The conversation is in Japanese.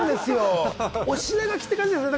お品書きって感じがしますよね。